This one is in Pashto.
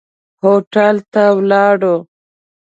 هوټل ته ولاړو.